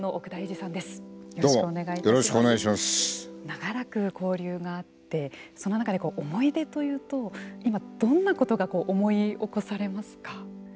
長らく交流があってその中で思い出というと今どんなことが思い起こされますか。